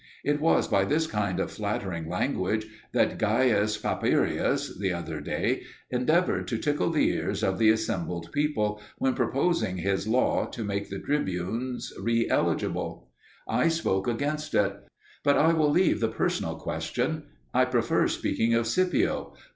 It was by this kind of flattering language that Gaius Papirius the other day endeavoured to tickle the ears of the assembled people, when proposing his law to make the tribunes re eligible. I spoke against it. But I will leave the personal question. I prefer speaking of Scipio.